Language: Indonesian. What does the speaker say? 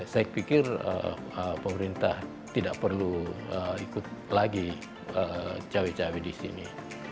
saya pikir pemerintah tidak perlu ikut lagi cawe cawe di sini